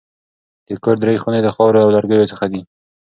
د کور درې خونې د خاورو او لرګیو څخه دي.